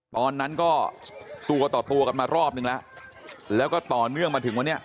ตอนนั้นก็ตัวต่อตัวกันมารอบนึงแล้วแล้วก็ต่อเนื่องมาถึงวันนี้